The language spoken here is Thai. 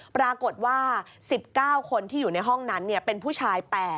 ปรากฏว่า๑๙คนที่อยู่ในห้องนั้นเป็นผู้ชาย๘